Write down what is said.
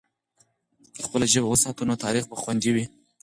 که خپله ژبه وساتو، نو تاریخ به خوندي وي.